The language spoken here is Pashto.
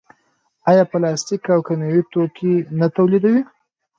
آیا پلاستیک او کیمیاوي توکي نه تولیدوي؟